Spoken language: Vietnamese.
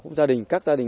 cũng gia đình các gia đình